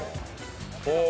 ほう！